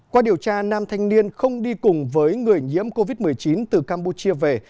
qua điều tra nam thanh niên không đi cùng với người nhiễm covid một mươi chín từ campuchia về